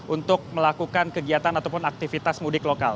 untuk melakukan kegiatan ataupun aktivitas mudik lokal